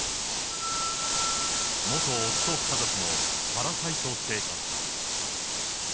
元夫家族のパラサイト生活だ。